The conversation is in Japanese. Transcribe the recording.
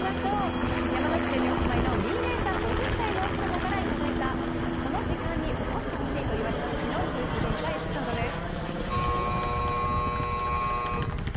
山梨県にお住まいのみぃねぇさん、５０歳の奥様からいただいたこの時間に起こしてほしいと言われた時の夫婦ゲンカエピソードです。